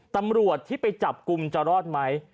ตำรวจที่ไปจับกลุ่มจะรอดไหม